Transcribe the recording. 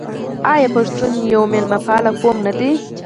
آیا پښتون یو میلمه پال قوم نه دی؟